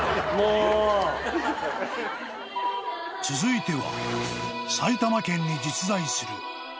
［続いては］